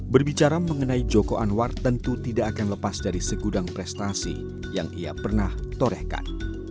berbicara mengenai joko anwar tentu tidak akan lepas dari segudang prestasi yang ia pernah torehkan